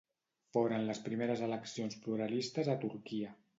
Foren les primeres eleccions pluralistes a Turquia.